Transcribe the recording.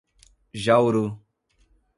Jauru